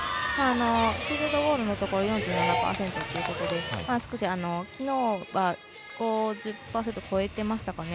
フィールドゴールが４７％ということで昨日は１０％を超えていましたかね。